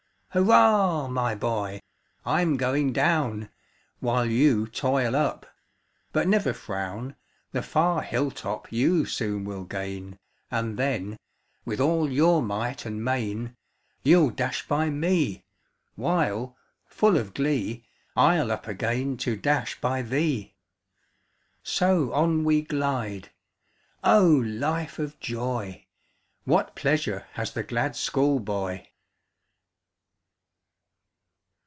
Hurra! my boy! I'm going down, While you toil up; but never frown; The far hill top you soon will gain, And then, with all your might and main, You'll dash by me; while, full of glee, I'll up again to dash by thee! So on we glide O, life of joy; What pleasure has the glad school boy!